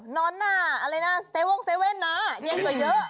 นอนน่ะอะไรน่ะ๗๑๑น่ะเย็นกว่าเยอะ